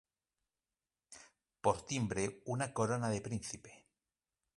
Por timbre una corona de príncipe.